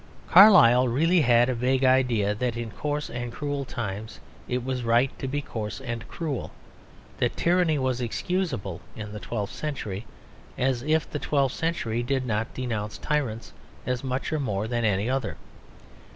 Carlyle really had a vague idea that in coarse and cruel times it was right to be coarse and cruel; that tyranny was excusable in the twelfth century: as if the twelfth century did not denounce tyrants as much or more than any other.